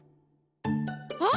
あっ！